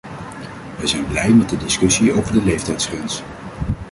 Wij zijn blij met de discussie over de leeftijdsgrens.